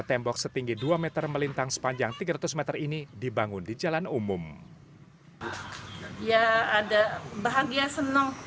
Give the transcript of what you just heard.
tembok setinggi dua meter melintang sepanjang tiga ratus m ini dibangun di jalan umum ya ada bahagia senang